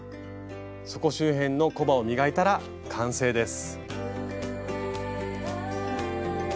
底周辺のコバを磨いたら完成です。